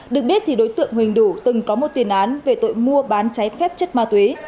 được biết thì đối tượng huỳnh đủ từng có một tiền án về tội mua bán trái phép chất ma túy